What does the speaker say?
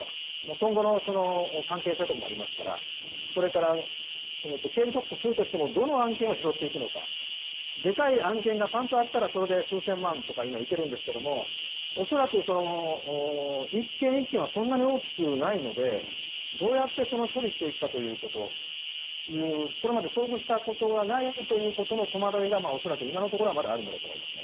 今後の関係性とかもありますからそれから刑事告訴するとしてもどの案件を拾っていくのかでかい案件がパンとあったらそれで数千万というのはいけるんですが恐らく、１件１件はそんなに大きくないのでどうやって処理していくかということこれまで遭遇したことがないという戸惑いが、恐らく今のところはまだあるんだろうと思います。